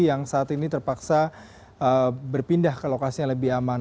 yang saat ini terpaksa berpindah ke lokasi yang lebih aman